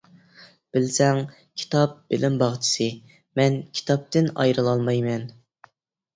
بىلسەڭ كىتاب بىلىم باغچىسى، مەن كىتابتىن ئايرىلالمايمەن.